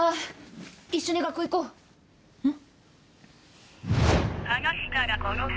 一緒に学校行こうん？